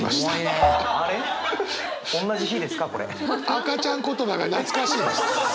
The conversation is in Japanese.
赤ちゃん言葉が懐かしいです。